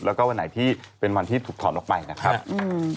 แล้วก็วันไหนเป็นวันที่ถูกถอดลงไปนะครับ